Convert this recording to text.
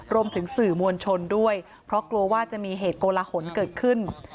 รวมถึงสื่อมวลชนด้วยเพราะกลัวว่าจะมีเหตุโกลหนเกิดขึ้น